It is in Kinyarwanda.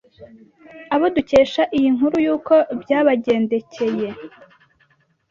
abo dukesha iyi nkuru yuko byabagendekeye.